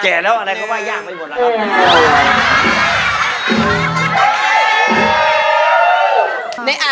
แล้วอะไรก็ว่ายากไปหมดแล้วครับ